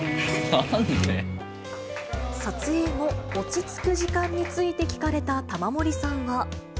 撮影後、落ち着く時間について聞かれた玉森さんは。